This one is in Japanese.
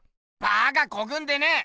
バカこくんでねぇ！